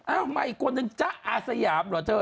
มาอีกคนนึงจ๊ะอาสยามเหรอเธอ